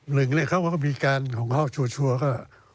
หนึ่งเนี่ยเขาก็มีการของเขาชัวร์ก็